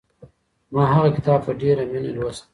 ما هغه کتاب په ډېره مینه لوست.